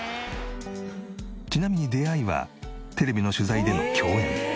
ちなみに出会いはテレビの取材での共演。